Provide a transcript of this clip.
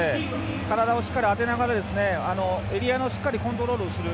体をしっかり当てながらエリアのコントロールをする。